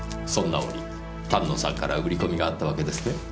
そんな折丹野さんから売り込みがあったわけですね？